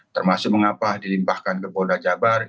termasuk mengapa dilimpahkan ke polda jabar